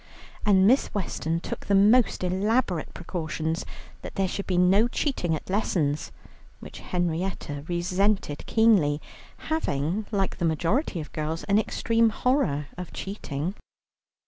And Miss Weston took the most elaborate precautions that there should be no cheating at lessons, which Henrietta resented keenly, having, like the majority of girls, an extreme horror of cheating.